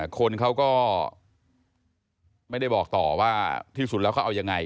คนเขาก็ไม่ได้บอกต่อว่าที่สุดแล้วเขาเอายังไง